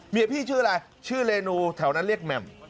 พี่ชื่ออะไรชื่อเรนูแถวนั้นเรียกแหม่ม